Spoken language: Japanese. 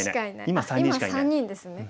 今３人ですね。